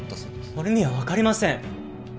俺には分かりません